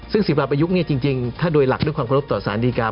ซึ่งศิลปประยุกต์เนี่ยจริงถ้าโดยหลักด้วยความผลลบต่อสารดีการ์